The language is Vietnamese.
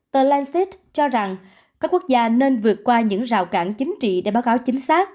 tờ lance cho rằng các quốc gia nên vượt qua những rào cản chính trị để báo cáo chính xác